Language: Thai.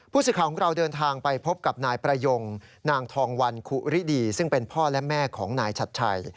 สิทธิ์ของเราเดินทางไปพบกับนายประยงนางทองวันคุริดีซึ่งเป็นพ่อและแม่ของนายชัดชัย